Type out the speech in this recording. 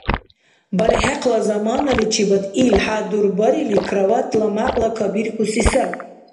БархӀехъла заманаличибад ил хӀядурбарили кроватьла мякьла кабирхьуси саби.